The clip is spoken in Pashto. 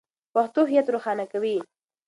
پښتو هویت روښانه کوي.